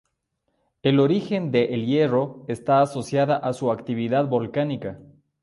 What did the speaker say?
El origen de El Hierro está asociado a su actividad volcánica.